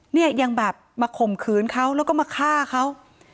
เนี่ยยังแบบมาข่มขืนเขาแล้วก็มาฆ่าเขา